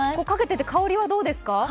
かけてて香りはどうですか？